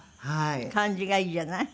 感じがいいじゃない。